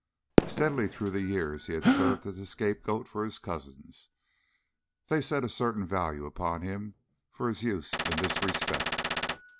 Steadily through the years he had served as a scapegoat for his cousins. They set a certain value upon him for his use in this respect.